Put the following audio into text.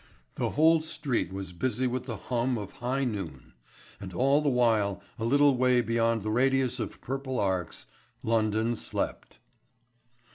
The whole street was busy with the hum of high noon. And all the while, a little way beyond the radius of purple arcs, London slept....